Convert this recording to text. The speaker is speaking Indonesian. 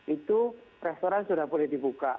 itu restoran sudah boleh dibuka